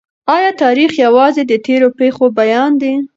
آیا تاریخ یوازي د تېرو پېښو بیان دی؟